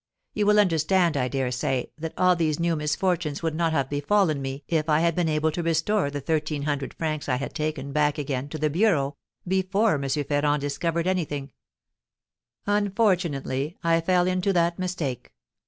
You will understand, I dare say, that all these new misfortunes would not have befallen me if I had been able to restore the thirteen hundred francs I had taken back again to the bureau before M. Ferrand discovered anything; unfortunately, I fell into that mistake.